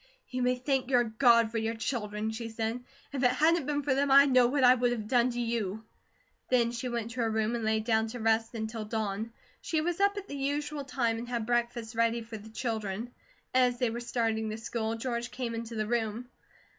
"You may thank your God for your children," she said. "If it hadn't been for them, I know what I would have done to you." Then she went to her room and lay down to rest until dawn. She was up at the usual time and had breakfast ready for the children. As they were starting to school George came into the room.